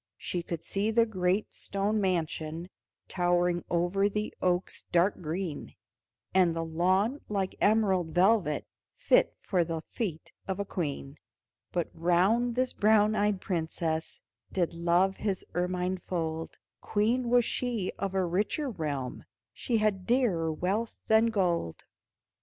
She could see the great stone mansion Towering over the oaks' dark green, And the lawn like emerald velvet, Fit for the feet of a queen; But round this brown eyed princess, Did Love his ermine fold, Queen was she of a richer realm, She had dearer wealth than gold.